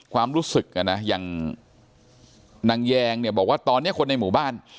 ความรู้สึกนะอย่างนางแยงเนี่ยบอกว่าตอนนี้คนในหมู่บ้าน